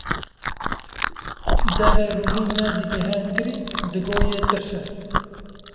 Devê rûvî ne digehe tirî digo yê tirş e